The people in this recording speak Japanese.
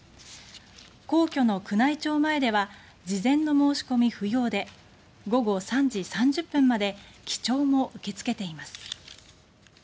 皇居の宮内庁前では事前の申し込み不要で午後３時３０分まで記帳も受け付けています。